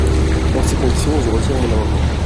Dans ces conditions, je retire mon amendement.